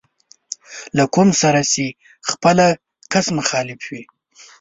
له کوم سره چې خپله کس مخالف وي.